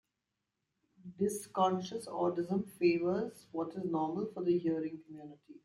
Dysconscious audism favors what is normal for the hearing community.